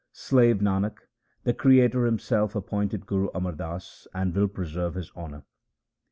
Slave Nanak, the Creator Himself appointed Guru Amar Das, and will preserve his honour.